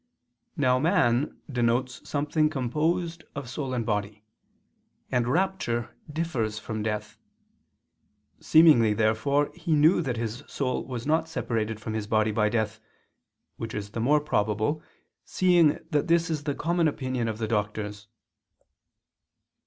Now man denotes something composed of soul and body; and rapture differs from death. Seemingly therefore he knew that his soul was not separated from his body by death, which is the more probable seeing that this is the common opinion of the Doctors.